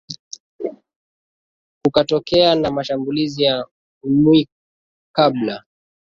kukatokea na mashambulizi ya mwi kabla